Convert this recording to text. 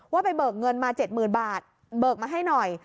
ว่าไปเบิกเงินมา๗๐๐๐บาทเบิกมาให้หน่อย